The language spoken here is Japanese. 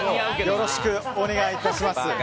よろしくお願いします。